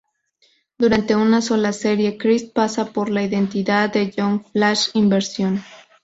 Durante una sola serie, Krist pasa por la identidad de Young Flash, Inversión.